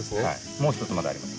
もう一つまだあります。